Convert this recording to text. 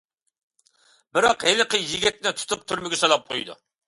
بىراق ھېلىقى يىگىتنى تۇتۇپ تۈرمىگە سولاپ قويىدۇ.